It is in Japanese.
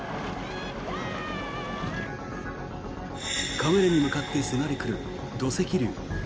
カメラに向かって迫り来る土石流。